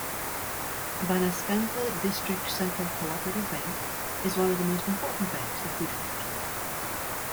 Banaskantha District Central Co-operative Bank is one of the most important banks of Gujarat.